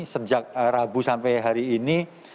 sejak rabu sampai hari ini